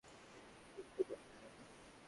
তুই লিখতে-পড়তে জানিস?